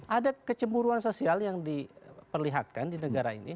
ada kecemburuan sosial yang diperlihatkan di negara ini